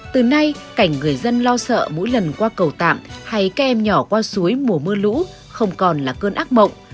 từ nay cảnh người dân lo sợ mỗi lần qua cầu tạm hay cây em nhỏ qua suối mùa mưa lũ không còn là cơn ác mộng